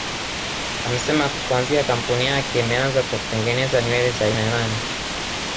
Amesema kwa kuanzia kampuni yake imeanza kwa kutengeneza nywele za aina nane